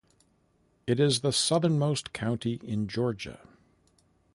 It is the southernmost county in Georgia.